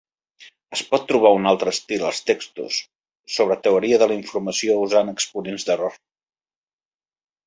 Es pot trobar un altre estil als textos sobre teoria de la informació usant exponents d"error.